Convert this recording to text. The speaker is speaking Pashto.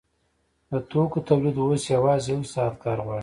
د توکو تولید اوس یوازې یو ساعت کار غواړي